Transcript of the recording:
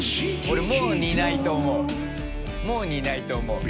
俺もう似ないと思うもう似ないと思う。